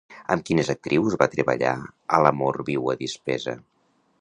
Amb quines actrius va treballar a L'amor viu a dispesa?